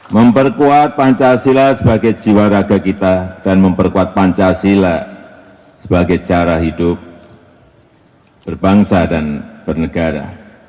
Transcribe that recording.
memperkuat pancasila sebagai jiwa raga kita dan memperkuat pancasila sebagai cara hidup berbangsa dan bernegara